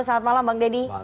selamat malam bang dedy